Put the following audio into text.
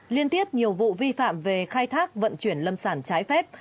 liên tiếp nhiều vụ vi phạm về khai thác vận chuyển lâm sản trái phép